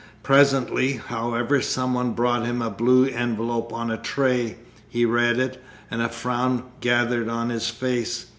Presently, however, some one brought him a blue envelope on a tray. He read it, and a frown gathered on his face.